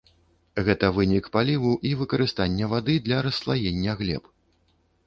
Гэта вынік паліву і выкарыстання вады для расслаення глеб.